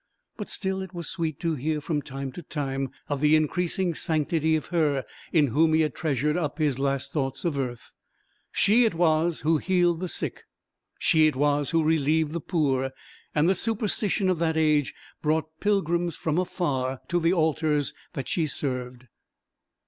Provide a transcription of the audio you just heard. But still it was sweet to hear from time to time of the increasing sanctity of her in whom he had treasured up his last thoughts of earth. She it was who healed the sick; she it was who relieved the poor, and the superstition of that age brought pilgrims from afar to the altars that she served.